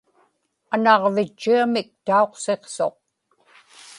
anaġvitchiamik tauqsiqsuq